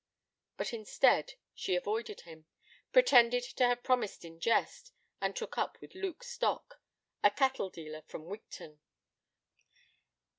But, instead, she avoided him, pretended to have promised in jest, and took up with Luke Stock, a cattle dealer from Wigton.